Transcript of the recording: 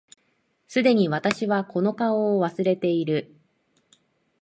既に私はこの顔を忘れている